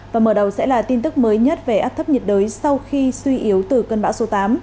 và mở đầu sẽ là tin tức mới nhất về áp thấp nhiệt đới sau khi suy yếu từ cơn bão số tám